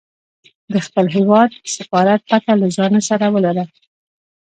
د خپل هیواد سفارت پته له ځانه سره ولره.